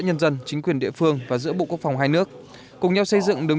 nhân dân chính quyền địa phương và giữa bộ quốc phòng hai nước cùng nhau xây dựng đường